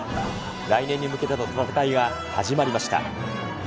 来年に向けての戦いが始まりました。